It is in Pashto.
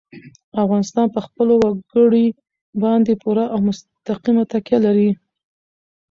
افغانستان په خپلو وګړي باندې پوره او مستقیمه تکیه لري.